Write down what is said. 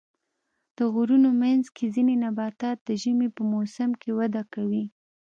د غرونو منځ کې ځینې نباتات د ژمي په موسم کې وده کوي.